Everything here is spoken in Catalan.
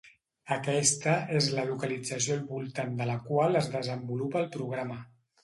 Aquesta és la localització al voltant de la qual es desenvolupa el programa.